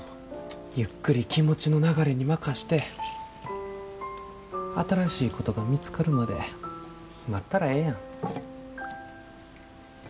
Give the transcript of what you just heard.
ゆっくり気持ちの流れに任して新しいことが見つかるまで待ったらええやん。